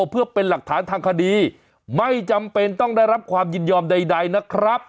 เพื่อเป็นหลักฐานทางคดีไม่จำเป็นต้องได้รับความยินยอมใดนะครับ